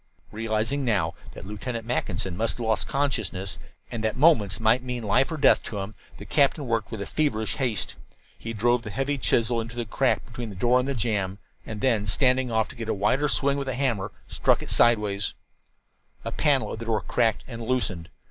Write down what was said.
Realizing now that Lieutenant Mackinson must have lost consciousness, and that moments might mean life or death to him, the captain worked with feverish haste. He drove the heavy chisel into the crack between the door and the jam, and then, standing off to get a wider swing with the hammer, struck it sidewise. A panel of the door cracked and loosened.